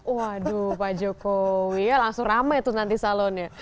waduh pak jokowi ya langsung ramai tuh nanti salonnya